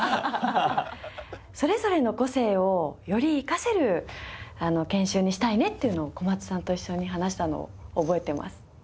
それぞれの個性をより生かせる研修にしたいねっていうのを小松さんと一緒に話したのを覚えてます。